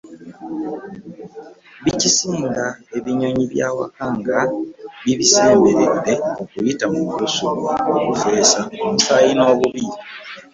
Bikasiiga ebinyonyi by’awaka nga bibisemberedde okuyita mu malusu, okufeesa, omusaayi n’obubi.